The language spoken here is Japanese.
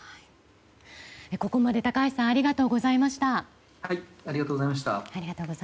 ここまで高橋さんありがとうございました。